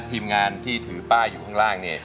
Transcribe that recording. ทีมงานที่ถือป้ายอยู่ข้างล่างเนี่ย